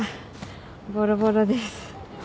ボロボロです。